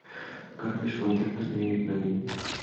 কারিশমা দেখালে, মেই।